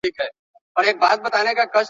که نجونې کور جوړ کړي نو کوڅه به نه وي خرابه.